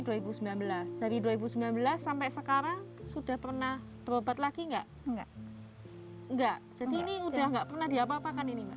dari dua ribu sembilan belas sampai sekarang sudah pernah berobat lagi enggak enggak jadi ini udah nggak pernah diapa apakan ini mbak